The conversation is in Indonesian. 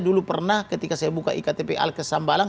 dulu pernah ketika saya buka iktp alkesambalang